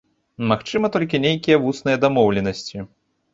Магчыма, толькі нейкія вусныя дамоўленасці.